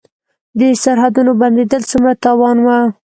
د سرحدونو بندیدل څومره تاوان و؟